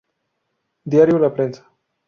Diario La Prensa.